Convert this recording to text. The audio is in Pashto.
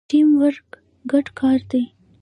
ټیم ورک ګډ کار دی